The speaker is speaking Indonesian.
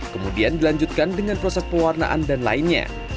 kemudian dilanjutkan dengan proses pewarnaan dan lainnya